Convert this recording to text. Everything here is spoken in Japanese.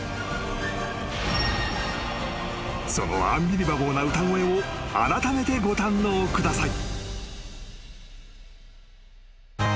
［そのアンビリバボーな歌声をあらためてご堪能ください］